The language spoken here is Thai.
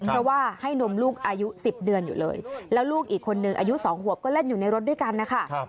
เพราะว่าให้นมลูกอายุ๑๐เดือนอยู่เลยแล้วลูกอีกคนนึงอายุ๒ขวบก็เล่นอยู่ในรถด้วยกันนะคะ